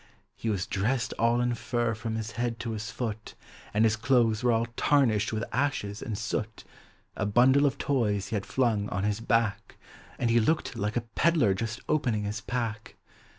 He was dressed all in fur from his head to his foot, And his clothes were all tarnished with ashes aud soot ; A bundle of toys he had Hung on his back, Aud he looked like a pedler just opening his pack.